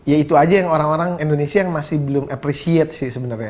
ya itu aja yang orang orang indonesia yang masih belum appreciate sih sebenarnya